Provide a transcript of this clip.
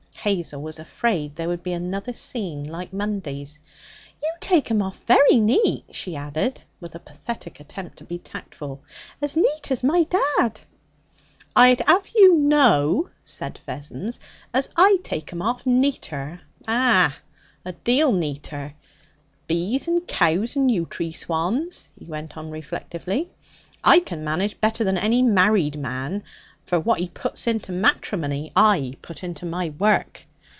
Hazel was afraid there would be another scene like Monday's. 'You take 'em off very neat,' she added, with a pathetic attempt to be tactful 'as neat as my dad.' 'I'd have you know,' said Vessons, 'as I take 'em off neater ah! a deal neater. Bees and cows and yew tree swans,' he went on reflectively, 'I can manage better than any married man. For what he puts into matrimony I put into my work.